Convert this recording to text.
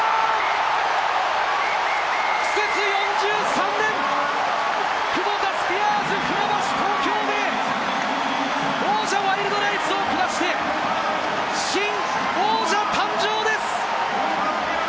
苦節４３年、クボタスピアーズ船橋・東京ベイ、王者・ワイルドナイツを下して新王者誕生です！